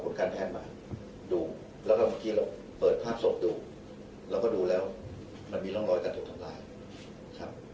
ที่กำแพงเทียดกับสมอีก๔สมที่เป็นสมต้องสงสัยนะครับแพงเทียดชายทั้งหมดเลยไหมครับ